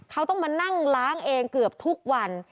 เขาต้องมานั่งล้างเองเกือบทุกวัน